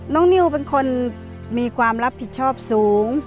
นิวเป็นคนมีความรับผิดชอบสูง